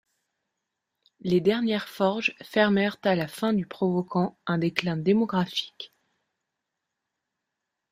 Les dernières forges fermèrent à la fin du provoquant un déclin démographique.